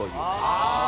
ああ！